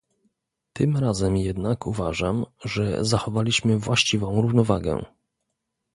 Tym razem jednak uważam, że zachowaliśmy właściwą równowagę